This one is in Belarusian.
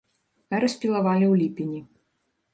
А распілавалі ў ліпені.